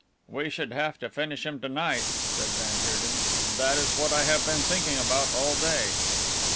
"We should have to finish him to night" said van Heerden, "that is what I have been thinking about all day."